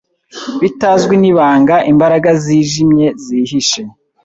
bitazwi nibanga imbaraga zijimye zihishe